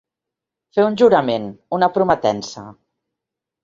Fer un jurament, una prometença.